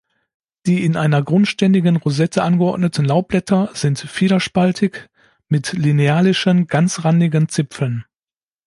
Die in einer grundständigen Rosette angeordneten Laubblätter sind fiederspaltig, mit linealischen, ganzrandigen Zipfeln.